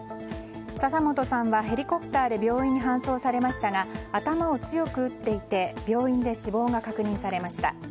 笹本さんはヘリコプターで病院に搬送されましたが頭を強く打っていて病院で死亡が確認されました。